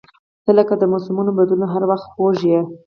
• ته لکه د موسمونو بدلون، خو هر وخت خوږ یې.